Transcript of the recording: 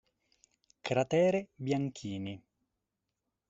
Cratere Bianchini